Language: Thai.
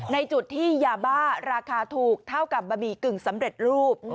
ในจุดที่ยาบ้าราคาถูกเท่ากับบะหมี่กึ่งสำเร็จรูป